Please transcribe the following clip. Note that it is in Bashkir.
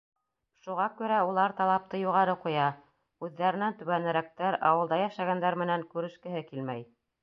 Шуға күрә улар талапты юғары ҡуя, үҙҙәренән түбәнерәктәр, ауылда йәшәгәндәр менән күрешкеһе килмәй.